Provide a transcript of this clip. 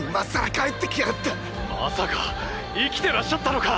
まさか⁉生きてらっしゃったのか！！